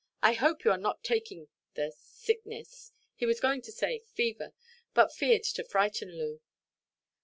I hope you are not taking the—sickness"—he was going to say "fever," but feared to frighten Loo.